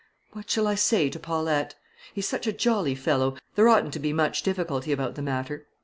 What shall I say to Paulette? He's such a jolly fellow, there oughtn't to be much difficulty about the matter.